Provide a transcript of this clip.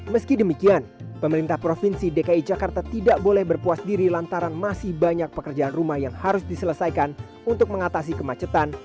meski demikian pemerintah provinsi dki jakarta tidak boleh berpuas diri lantaran masih banyak pekerjaan rumah yang harus diselesaikan untuk mengatasi kemacetan